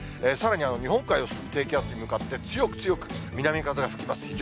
さらに日本海を進む低気圧に向かって強く強く、南風が吹きます。